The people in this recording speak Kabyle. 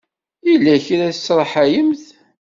Yella kra i tesraḥayemt?